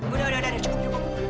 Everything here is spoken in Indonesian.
udah udah dari cukup cukup